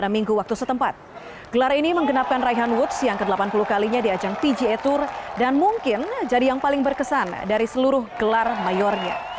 mungkin jadi yang paling berkesan dari seluruh gelar mayornya